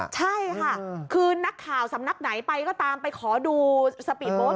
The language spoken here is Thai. ใช่ค่ะคือนักข่าวสำนักไหนไปก็ตามไปขอดูสปีดโบสต